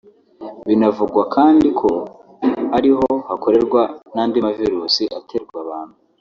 Binavugwa kandi ko ari ho hakorerwa n’andi mavirusi aterwa abantu